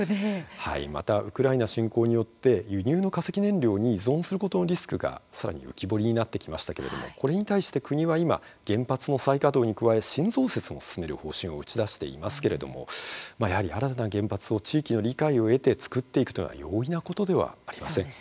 また、ウクライナ侵攻によって輸入の化石燃料に依存することのリスクがさらに浮き彫りになってきましたけれどこれに対して国は今原発の再稼働に加え新増設も進める方針を打ち出していますけれどもやはり新たな原発を地域の理解を得て造っていくというのは容易なことではありません。